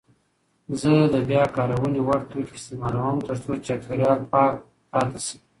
زه د بیاکارونې وړ توکي استعمالوم ترڅو چاپیریال پاک پاتې شي.